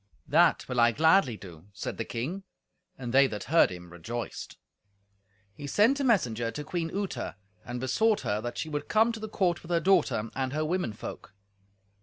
"That will I gladly do," said the king; and they that heard him rejoiced. He sent a messenger to Queen Uta, and besought her that she would come to the court with her daughter and her women folk.